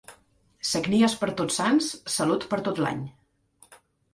Sagnies per Tots Sants, salut per tot l'any.